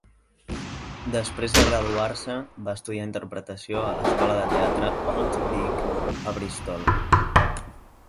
Després de graduar-se, va estudiar interpretació a l'escola de teatre Old Vic, a Bristol.